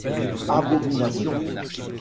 Abomination !